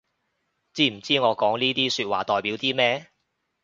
知唔知我講呢啲說話代表啲咩